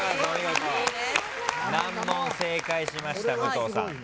難問正解しました武藤さん。